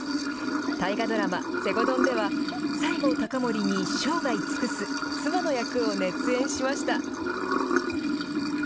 大河ドラマ、西郷どんでは、西郷隆盛に生涯尽くす妻の役を熱演しました。